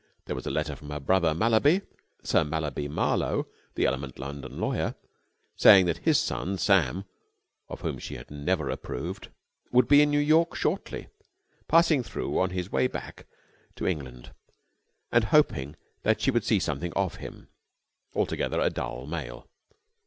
There was a letter from her brother Mallaby Sir Mallaby Marlowe, the eminent London lawyer saying that his son Sam, of whom she had never approved, would be in New York shortly, passing through on his way back to England, and hoping that she would see something of him. Altogether a dull mail.